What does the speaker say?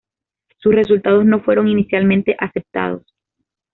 Sus resultados no fueron inicialmente aceptados.